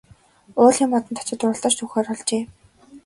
Уулын модонд очоод уралдаж түүхээр болжээ.